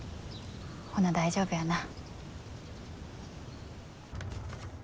ほな大丈夫やな。